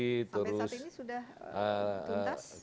sampai saat ini sudah tuntas